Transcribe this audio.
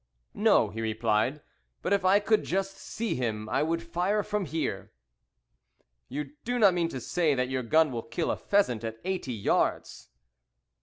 "No," he replied; "but if I could just see him, I would fire from here." "You do not mean to say that your gun will kill a pheasant at eighty yards?"